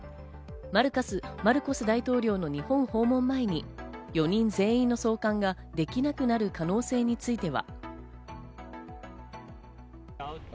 マルコス大統領の日本訪問を前に４人全員の送還ができなくなる可能性については。